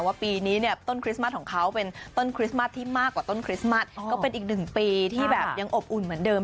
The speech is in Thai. ปีนี้เนี่ยต้นคริสต์มัสของเขาเป็นต้นคริสต์มัสที่มากกว่าต้นคริสต์มัสก็เป็นอีกหนึ่งปีที่แบบยังอบอุ่นเหมือนเดิม